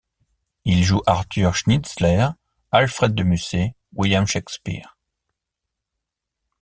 Il joue Arthur Schnitzler, Alfred de Musset, William Shakespeare...